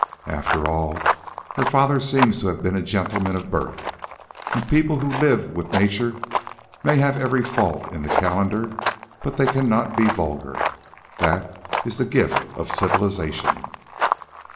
After all, her father seems to have been a gentleman of birth, and people who live with nature may have every fault in the calendar, but they cannot be vulgar. That is the gift of civilisation."